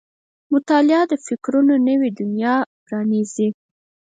• مطالعه د فکرونو نوې دنیا پرانیزي.